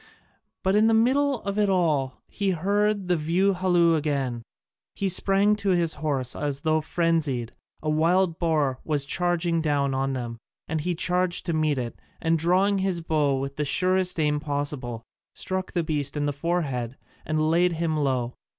But in the middle of it all he heard the view halloo again: he sprang to his horse as though frenzied a wild boar was charging down on them, and he charged to meet it, and drawing his bow with the surest aim possible, struck the beast in the forehead, and laid him low.